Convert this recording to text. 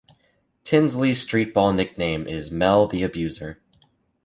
Tinsley's streetball nickname is "Mel The Abuser".